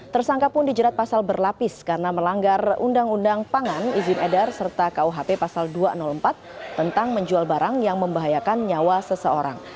tersangka pun dijerat pasal berlapis karena melanggar undang undang pangan izin edar serta kuhp pasal dua ratus empat tentang menjual barang yang membahayakan nyawa seseorang